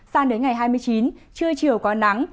sang đến ngày hai mươi chín trưa chiều có nắng